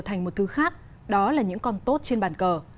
thành một thứ khác đó là những con tốt trên bàn cờ